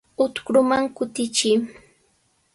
Utrkuman kutichiy.